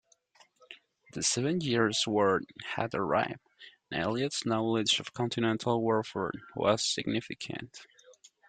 The Seven Years' War had arrived, and Elliott's knowledge of continental warfare was significant.